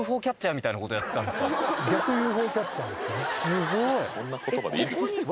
すごい！